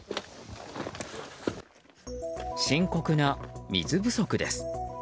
深刻な水不足です。